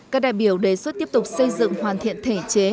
các đại biểu đề xuất tiếp tục xây dựng hoàn thiện thể chế